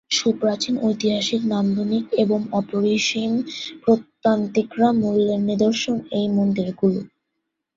সুপ্রাচীন-ঐতিহাসিক, নান্দনিক এবং অপরিসীম প্রত্নতাত্ত্বিক মূল্যের নিদর্শন এই মন্দিরগুলি।